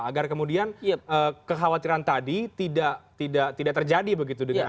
agar kemudian kekhawatiran tadi tidak terjadi begitu dengan